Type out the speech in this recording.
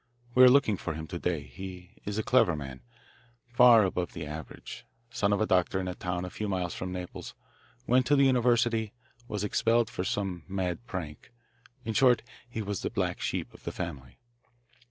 We are looking for him to day. He is a clever man, far above the average son of a doctor in a town a few miles from Naples, went to the university, was expelled for some mad prank in short, he was the black sheep of the family.